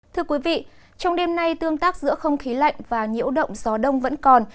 thưa quý vị trong đêm nay tương tác giữa không khí lạnh và nhiễu động gió đông vẫn còn